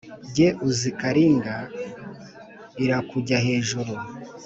Jye uzi Karinga, irakujya hejuru